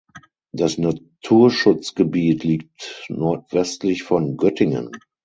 Das Naturschutzgebiet liegt nordwestlich von Göttingen.